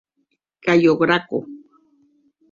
Cayo Graco.